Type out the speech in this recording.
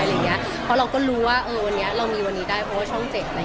เพราะเราก็รู้ว่าวันนี้เรามีวันนี้ได้เพราะว่าช่อง๗อะไรอย่างนี้